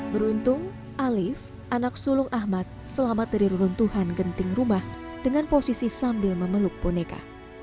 beruntung alif anak sulung ahmad selamat dari runtuhan genting rumah dengan posisi sambil memeluk boneka